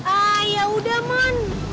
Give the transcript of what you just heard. ah ya udah mon